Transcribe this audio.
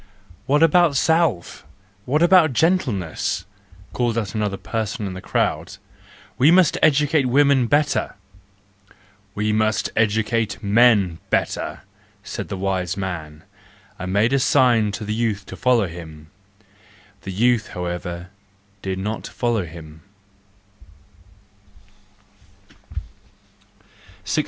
"—"What about salve! What about gentle¬ ness !" called out another person in the crowd, " we must educate women better! "—" We must educate men better," said the wise man, and made a sign to the youth to follow him.—The youth, however, did not follow him.